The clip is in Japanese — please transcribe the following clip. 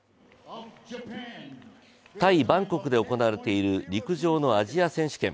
タイ・バンコクで行われている陸上のアジア選手権。